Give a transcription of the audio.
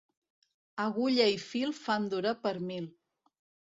Agulla i fil fan durar per mil.